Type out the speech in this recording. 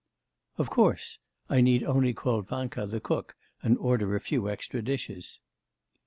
'Of course; I need only call Vanka the cook and order a few extra dishes.